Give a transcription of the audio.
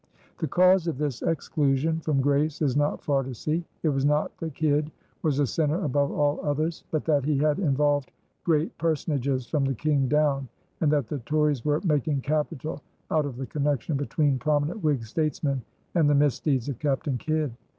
The cause of this exclusion from grace is not far to seek. It was not that Kidd was a sinner above all others; but that he had involved great personages from the King down, and that the Tories were making capital out of the connection between prominent Whig statesmen and the misdeeds of Captain Kidd.